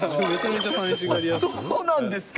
自分、そうなんですか。